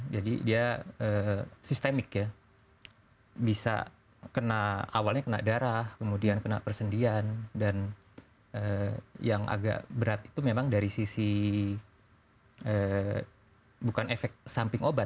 jadi dia sistemik ya bisa kena awalnya kena darah kemudian kena persendian dan yang agak berat itu memang dari sisi bukan efek samping obat